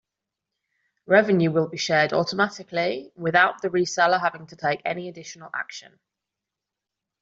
Revenue will be shared automatically without the reseller having to take any additional action.